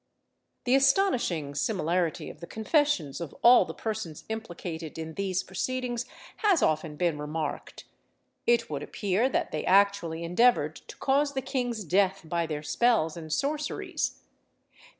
The astonishing similarity of the confessions of all the persons implicated in these proceedings has often been remarked. It would appear that they actually endeavoured to cause the king's death by their spells and sorceries.